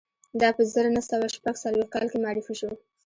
دا په زر نه سوه شپږ څلویښت کال کې معرفي شو